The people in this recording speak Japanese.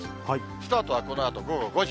スタートはこのあと午後５時。